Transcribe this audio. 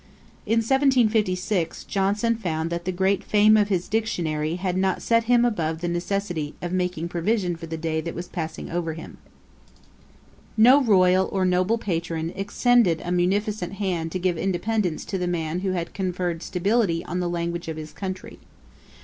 In 1756 Johnson found that the great fame of his Dictionary had not set him above the necessity of 'making provision for the day that was passing over him.' [Page 304: Payment for the DICTIONARY. A.D. 1756.] No royal or noble patron extended a munificent hand to give independence to the man who had conferred stability on the language of his country.